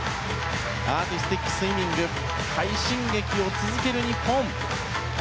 アーティスティックスイミング快進撃を続ける日本。